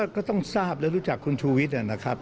ก็ต้องทราบและรู้จักคุณชูวิทย์นะครับ